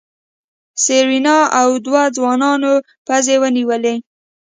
سېرېنا او دوو ځوانانو پزې ونيولې.